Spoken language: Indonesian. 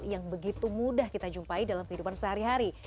yang begitu mudah kita jumpai dalam kehidupan sehari hari